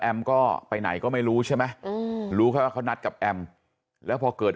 ก็ไปไหนก็ไม่รู้ใช่ไหมรู้แค่ว่าเขานัดกับแอมแล้วพอเกิด